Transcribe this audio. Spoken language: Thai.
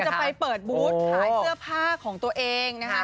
จะไปเปิดบูธขายเสื้อผ้าของตัวเองนะคะ